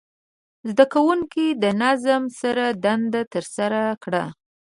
زده کوونکي د نظم سره دنده ترسره کړه.